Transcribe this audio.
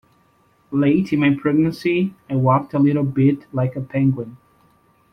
Late in my pregnancy, I walked a little bit like a Penguin.